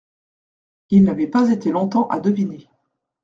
Il n'avait pas été longtemps à deviner.